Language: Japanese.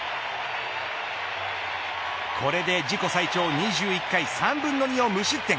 これで自己最長２１回３分の２を無失点。